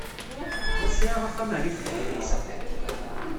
Ur sɛiɣ axxam rrif teftist.